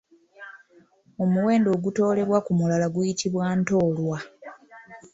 Omuwendo ogutoolebwa ku mulala guyitibwa Ntoolwa.